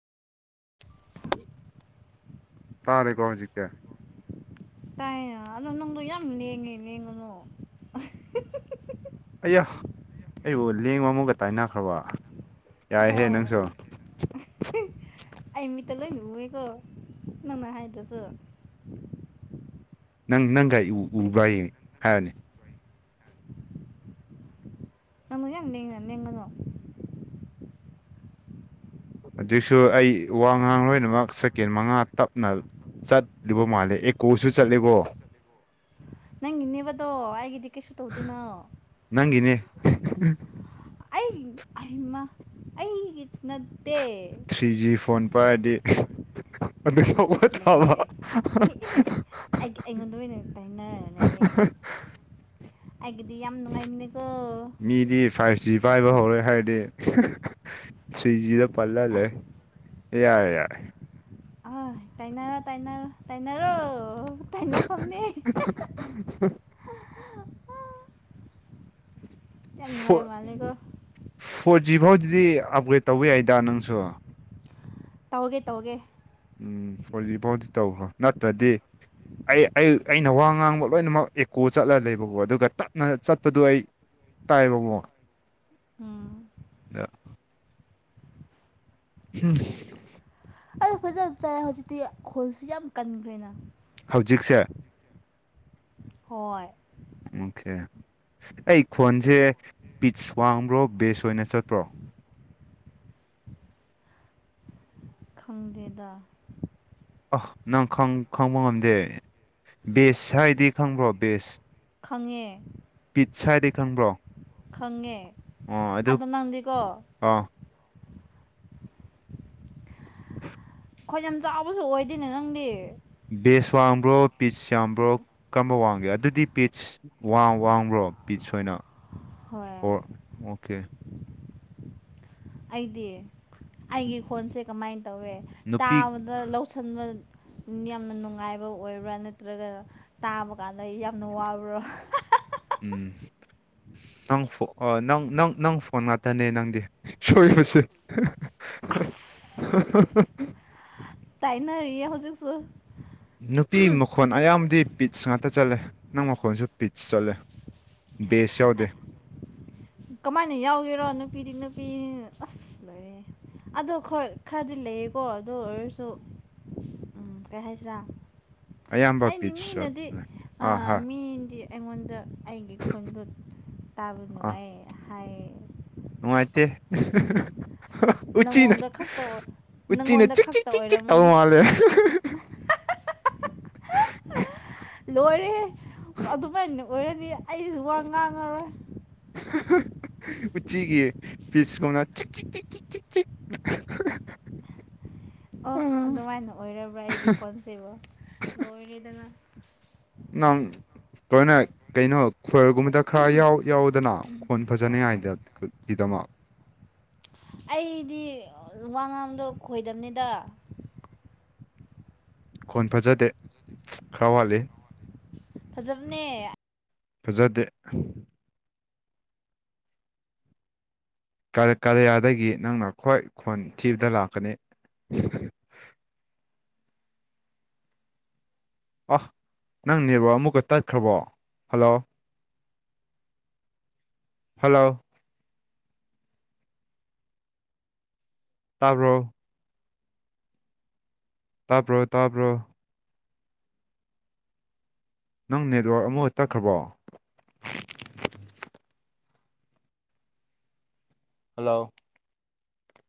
ꯇꯥꯔꯦꯀꯣ ꯍꯧꯖꯤꯛꯇ‌ꯤ ꯇꯥꯏꯅ ꯑꯗꯣ ꯅꯪꯗꯣ ꯌꯥꯝ ꯂꯦꯡꯉꯦ ꯂꯦꯡꯉꯅ‌ꯣ ꯑꯌꯥ ꯑꯩꯕꯨ ꯂꯦꯡꯕ ꯑꯃꯨꯒ ꯇꯥꯏꯅꯈ꯭ꯔꯕ ꯌꯥꯏꯍꯦ ꯍꯣꯏ ꯅꯪꯁꯨ ꯑꯩꯃꯤꯠꯇ ꯂꯣꯏ ꯎꯋꯦꯀꯣ ꯅꯅ ꯍꯥꯏꯗꯔꯥꯁꯨ ꯅꯪ ꯅꯪꯒꯥꯏ ꯎꯕꯏꯌꯦ ꯍꯥꯏꯔꯅꯤ ꯑꯪꯅꯤ ꯌꯦꯉꯣ ꯑꯗꯨꯛꯁꯨ ꯑꯩ ꯋꯥ ꯉꯥꯡ ꯂꯣꯏꯅꯃꯛ ꯁꯦꯀꯦꯟ ꯃꯉꯥ ꯇꯞꯅ ꯆꯠꯂꯤꯕ ꯃꯥꯜꯂꯦ ꯑꯦꯀꯣꯁꯨ ꯆꯠꯂꯦꯀꯣ ꯅꯪ ꯏꯅꯦꯕꯗꯣ ꯑꯩꯒꯤꯗꯤ ꯀꯩꯁꯨ ꯇꯧꯗꯣꯏꯅꯣ ꯅꯪꯒꯅꯦ ꯑꯩꯒꯤ ꯑꯩꯃ ꯑꯩꯒꯤ ꯅꯠꯇꯦ ꯊ꯭ꯔꯤ ꯖꯤ ꯐꯣꯟ ꯄꯥꯏꯔꯗꯤ ꯑꯗꯨ ꯏꯁ ꯇꯧꯕ ꯏꯁ ꯂꯣꯏꯔꯦ ꯇꯥꯕ ꯂꯩ ꯑꯦ ꯏꯁ ꯏꯁ ꯑꯩ ꯑꯩꯉꯣꯟꯗ ꯑꯣꯏꯅꯝ ꯇꯥꯏꯅꯔꯒ ꯂꯩꯌ‌ꯦ ꯑꯩꯒꯤꯗꯤ ꯌꯥꯝ ꯅꯨꯡꯉꯥꯏꯃꯤꯅꯦꯀꯣ ꯃꯤꯗꯤ ꯐꯥꯏꯚ ꯖꯤ ꯄꯥꯏꯕ ꯍꯧꯔꯦ ꯍꯥꯏꯔꯗꯤ ꯊ꯭ꯔꯤ ꯖꯤꯗ ꯄꯜꯂ ꯂꯩ ꯌꯥꯏ ꯌꯥꯏ ꯑ ꯇꯥꯏꯅꯔꯣ ꯇꯥꯏꯅꯔꯣ ꯇꯥꯏꯅꯔꯣ ꯇꯥꯏꯅ ꯐꯝꯅ‌ꯦ [unintelligible] ꯌꯥꯝ ꯐ ꯅꯨꯡꯉꯥꯏ ꯃꯥꯜꯂꯦꯀꯣ ꯐꯣꯔ ꯖꯤ ꯐꯥꯎꯗꯗꯤ ꯑꯞꯒ꯭ꯔꯦꯗ ꯇꯧꯕ ꯌꯥꯏꯗ ꯅꯪꯁꯨ ꯇꯧꯒꯦ ꯇꯧꯒꯦ ꯎꯝ ꯐ‌ꯣꯔꯖꯤ ꯐꯥꯎꯗꯤ ꯇꯧꯈ꯭ꯔꯣ ꯅꯠꯇ꯭ꯔꯗꯤ ꯑꯩ ꯑꯩ ꯑꯩꯅ ꯋꯥ ꯉꯥꯡꯕ ꯂꯣꯏꯅꯃꯛ ꯑꯦꯀꯣ ꯆꯠꯂ ꯂꯩꯕꯀꯣ ꯑꯗꯨꯒ ꯇꯞꯅ ꯆꯠꯄꯗꯣ ꯑꯩ ꯇꯥꯏꯕ ꯑꯃꯣꯛ ꯎꯝ ꯎꯝ ꯐ ꯐꯖꯕ ꯇꯥꯏ ꯍꯧꯖꯤꯛꯇꯤ ꯈꯜꯁꯨ ꯌꯥꯝ ꯀꯟꯈ꯭ꯔꯦꯅ ꯍꯧꯖꯤꯛꯁꯦ ꯍꯣꯏ ꯑꯣꯀꯦ ꯑꯩ ꯈꯣꯟꯁꯦ ꯄꯤꯠꯁ ꯋꯥꯡꯕ꯭ꯔꯣ ꯕꯦꯁ ꯑꯣꯏꯅ ꯆꯠꯄ꯭ꯔꯣ ꯈꯪꯗꯦꯗꯥ ꯑꯍ ꯅꯪ ꯈꯪꯕ ꯉꯝꯗꯦ ꯕꯦꯁ ꯍꯥꯏꯗꯤ ꯈꯪꯕ꯭ꯔꯣ ꯕꯦꯁ ꯈꯪꯉꯦ ꯄꯤꯠꯁ ꯍꯥꯏꯗꯤ ꯈꯪꯕ꯭ꯔꯣ ꯈꯪꯉꯦ ꯑꯣ ꯑꯗꯨ ꯑꯗꯣ ꯅꯪꯗꯤꯀꯣ ꯑꯥ [unintelligible] ꯈ‌ꯣꯟ ꯌꯥꯝ ꯆꯥꯎꯕꯁꯨ ꯑꯣꯏꯗꯦꯅꯦ ꯅꯪꯗꯤ ꯕꯦꯁ ꯋꯥꯡꯕ꯭ꯔꯣ ꯄꯤꯖ ꯌꯥꯝꯕ꯭ꯔꯣ ꯀꯔꯝꯕ ꯋꯥꯡꯒꯦ ꯑꯗꯨꯗꯤ ꯄꯤ꯭ꯠꯁ ꯋꯥꯡꯕ꯭ꯔꯣ ꯄꯤꯁ ꯑꯣꯏꯅ ꯍꯣꯏ ꯑꯣꯔ ꯑꯣꯀꯦ ꯑꯩꯗꯤ ꯑꯩꯒꯤ ꯈꯣꯟꯁꯦ ꯀꯃꯥꯏꯅ ꯇꯧꯋꯦ ꯅꯨꯄꯤ ꯇꯥꯕꯗ ꯂꯧ ꯈꯟꯕ ꯌꯥꯝꯅ ꯅꯨꯡꯉꯥꯏꯕ ꯑꯣꯏꯕ꯭ꯔꯥ ꯅꯠꯇ꯭ꯔꯒꯅ ꯇꯥꯕ ꯀꯥꯟꯅꯩ ꯌꯥꯝꯅ ꯋꯥꯕ꯭ꯔꯣ ꯎꯝ ꯅꯪ ꯅꯪ ꯅꯪ ꯅꯪ ꯐꯣꯟ ꯉꯥꯛꯇꯅꯦ ꯅꯪꯗꯤ ꯁꯣꯏꯕꯁꯦ ꯑꯁ ꯇꯥꯏꯅꯔꯌꯦ ꯍꯧꯖꯤꯛꯁꯨ ꯅꯨꯄꯤ ꯃꯈ‌ꯣ ꯃꯈꯣꯟ ꯑꯌꯥꯝꯕꯗꯤ ꯄꯤꯠꯁ ꯉꯥꯛꯇ ꯆꯠꯂꯦ ꯅꯪ ꯃꯈꯣꯟꯁꯨ ꯄꯤꯠꯁ ꯆꯠꯂꯦ ꯕꯦꯁ ꯌꯥꯎꯗꯦ ꯀꯃꯥꯏꯅ ꯌꯥꯎꯒꯦꯔꯣ ꯅꯨꯄꯤꯗꯤ ꯅꯨꯄꯤ ꯑꯁ ꯂꯩ ꯑꯗꯣ ꯈꯔꯗꯤ ꯂꯩꯌꯦꯀꯣ ꯑꯗꯨ ꯑꯣꯏꯔꯁꯨ ꯎꯝ ꯀꯩ ꯍꯥꯏꯁꯤꯔꯥ ꯑꯌꯥ ꯑꯩꯅꯤ ꯃꯤꯅꯗꯤ ꯃꯤꯗꯤ ꯑꯩꯉꯣꯟꯗ ꯑꯩꯒꯤ ꯈꯨꯟꯗꯣ ꯇꯥꯕꯣ ꯑꯥ ꯅꯨꯡꯉꯥꯏ ꯍꯥꯏ ꯅꯨꯡꯉꯥꯏꯇꯦ ꯎꯆꯤ ꯅꯪꯉꯣꯟꯗ ꯈꯛꯇ ꯑꯣꯏ ꯎꯆꯤꯅ ꯅꯪꯉꯣꯟꯗ ꯆꯤꯛ ꯆꯤꯛ ꯆꯤꯛ ꯇꯩꯕ ꯃꯥꯂ‌ꯦ [unintelligible] ꯂꯣꯏꯔꯦꯍ‌ꯦ ꯑꯗꯨꯃꯥꯏꯅ ꯑꯣꯏꯔꯗꯤ ꯑꯩꯁꯨ ꯋꯥ ꯉꯥꯡꯉꯔꯣꯏ ꯎꯆꯤꯒꯤ ꯐꯤꯁꯀꯅ [unintelligible] [unintelligible] ꯑꯣ ꯑꯥ ꯑꯗꯨꯃꯥꯏꯅ ꯑꯣꯏꯔꯕ꯭ꯔꯥ ꯑꯩꯒꯤ ꯀꯣꯟꯁꯦꯕ ꯂꯣꯏꯔꯦꯗꯅ ꯅꯪ ꯂꯣꯏꯅꯥ ꯀꯩꯅꯣ ꯈꯣꯔꯒꯨꯝꯕꯗ ꯈꯔ ꯌꯥꯎꯏ ꯌꯥꯎꯗꯅ ꯈꯣꯟ ꯐꯖꯅꯤꯉꯏ ꯒꯤꯗꯃꯛ ꯑꯩꯗꯤ ꯋꯥ ꯉꯥꯡꯗꯣ ꯈꯣꯏꯗꯝꯅꯤꯗ ꯈꯣꯟ ꯐꯖꯗꯦ ꯈꯔ ꯋꯥꯠꯂꯤ ꯐꯖꯕꯅꯦ ꯐꯖꯗꯦ ꯀꯔꯤꯌꯥꯗꯒꯤ ꯅꯪꯅ ꯈ꯭ꯋꯥꯏ ꯈꯣꯟ ꯊꯤꯕꯗ ꯂꯥꯛꯀꯅꯤ ꯑꯣ ꯅꯪ ꯅꯦꯠꯋꯥꯛ ꯑꯃꯨꯛꯀ ꯇꯠꯈ꯭ꯔꯕꯣ ꯍꯜꯂꯣ ꯍꯜꯂꯣ ꯇꯥꯕꯔꯣ ꯇꯥꯕ꯭ꯔꯣ ꯇꯥꯕ꯭ꯔꯣ ꯅꯪ ꯅꯦꯠꯋꯔꯛ ꯑꯃꯨꯒꯥ ꯇꯠꯈ꯭ꯔꯕꯣ ꯍꯜꯂꯣ